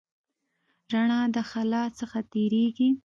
رڼا د خلا څخه تېرېږي.